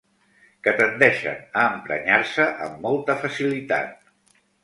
Que tendeixen a emprenyar-se amb molta facilitat.